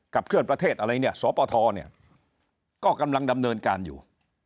เคลื่อนประเทศอะไรเนี่ยสปทเนี่ยก็กำลังดำเนินการอยู่